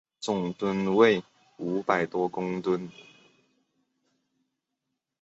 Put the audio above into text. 总吨位五百多公顿。